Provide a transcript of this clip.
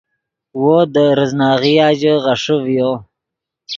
وو دے ریزناغیا ژے غیݰے ڤیو